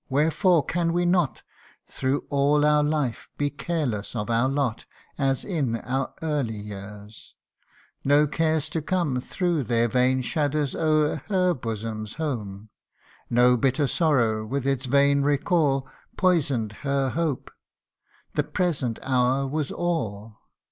wherefore can we not Through all our life be careless of our lot As in our early years ? No cares to come Threw their vain shadow o'er her bosom's home ; No bitter sorrow, with its vain recall, Poison'd her hope the present hour was all.